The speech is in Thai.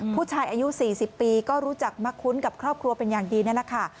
ผู้ชายอายุ๔๐ปีก็รู้จักมะคุ้นกับครอบครัวเป็นอย่างดีนี่แหละค่ะ